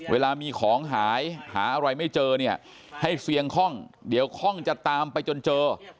เวลามีของหายหาอะไรไม่เจอเนี่ยให้เสี่ยงคล่องเดี๋ยวคล่องจะตามไปจนเจอ